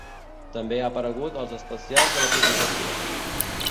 També ha aparegut als especials de la publicació.